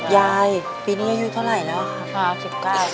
ยายปีนี้อายุเท่าไหร่แล้วครับ